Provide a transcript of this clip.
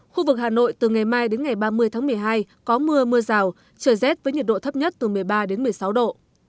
khu vực hà nội từ ngày mai đến ngày ba mươi tháng một mươi hai có mưa mưa rào trời rét với nhiệt độ thấp nhất từ một mươi ba đến một mươi sáu độ